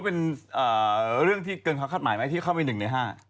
เป็นเรื่องที่เกินความคาดหมายไหมที่เข้าไป๑ใน๕